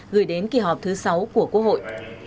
gửi đến kỳ họp thứ sáu của quốc hội